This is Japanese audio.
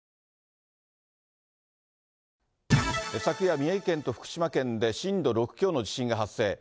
昨夜、宮城県と福島県で震度６強の地震が発生。